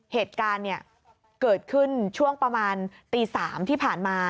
เหตุการณ์เกิดขึ้นช่วงประมาณตี๓ที่ผ่านมา